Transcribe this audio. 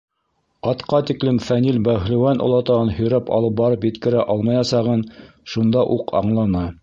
Атҡа тиклем Фәнил бәһлеүән олатаһын һөйрәп алып барып еткерә алмаясағын шунда уҡ аңланы.